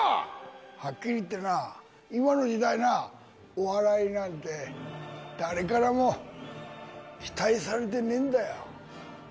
はっきり言ってな、今の時代な、お笑いなんて誰からも期待されてねえんだよ。